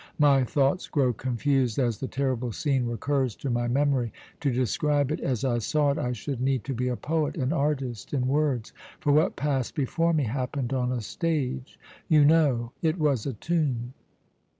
My thoughts grow confused as the terrible scene recurs to my memory. To describe it as I saw it, I should need to be a poet, an artist in words; for what passed before me happened on a stage you know, it was a tomb.